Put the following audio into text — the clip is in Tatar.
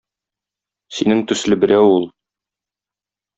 Синең төсле берәү ул